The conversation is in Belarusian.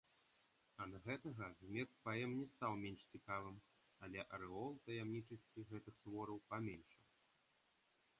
Ад гэтага змест паэм не стаў менш цікавым, але арэол таямнічасці гэтых твораў паменшыў.